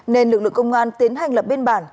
nên lực lượng công an tiến hành lập biên bản